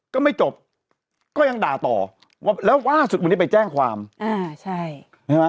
ก็ไม่จบก็ยังด่าต่อว่าแล้วล่าสุดวันนี้ไปแจ้งความอ่าใช่ใช่ไหม